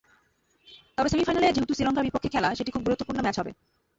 তবে সেমিফাইনালে যেহেতু শ্রীলঙ্কার বিপক্ষে খেলা, সেটি খুব গুরুত্বপূর্ণ ম্যাচ হবে।